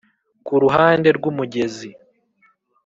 kuruhande rw'umugezi,